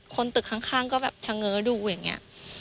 คนตึกข้างก็แบบเฉง้อดูอย่างนี้